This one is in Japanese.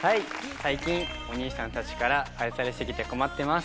最近お兄さんたちから愛されすぎて困ってます